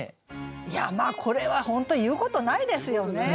いやこれは本当言うことないですよね。